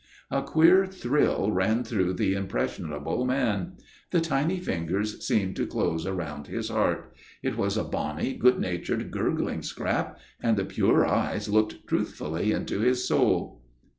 A queer thrill ran through the impressionable man. The tiny fingers seemed to close round his heart.... It was a bonny, good natured, gurgling scrap and the pure eyes looked truthfully into his soul.